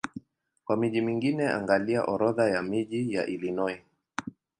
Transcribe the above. Kwa miji mingine angalia Orodha ya miji ya Illinois.